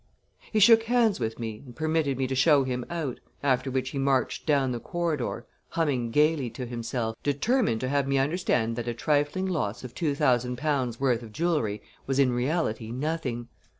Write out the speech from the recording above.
He shook hands with me and permitted me to show him out, after which he marched down the corridor, humming gayly to himself, determined to have me understand that a trifling loss of two thousand pounds' worth of jewelry was in reality nothing.